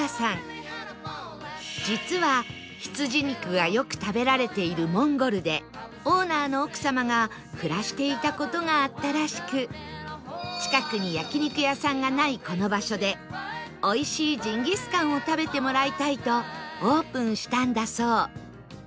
実は羊肉がよく食べられているモンゴルでオーナーの奥様が暮らしていた事があったらしく近くに焼肉屋さんがないこの場所でおいしいジンギスカンを食べてもらいたいとオープンしたんだそう